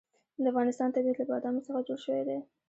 د افغانستان طبیعت له بادامو څخه جوړ شوی دی.